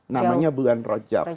namanya bulan rajab